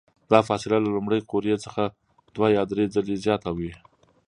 دا فاصله له لومړۍ قوریې څخه دوه یا درې ځلې زیاته وي.